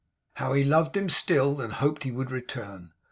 How he loved him still, and hoped he would return.